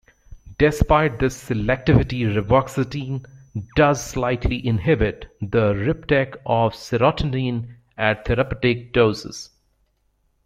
Despite this selectivity reboxetine does slightly inhibit the reuptake of serotonin at therapeutic doses.